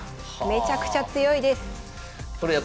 めちゃくちゃ強いです。